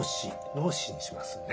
「脳死」にしますね。